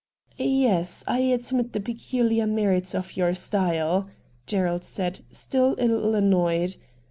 ' Yes — I admit the peculiar merits of your style,' Gerald said, still a little annoyed.